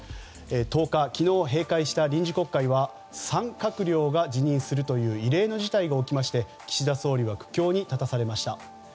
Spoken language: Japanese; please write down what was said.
１０日、昨日閉会した臨時国会は３閣僚が辞任するという異例の事態が起きまして岸田総理は苦境に立たされました。